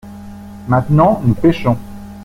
Maintenant nous pêchons.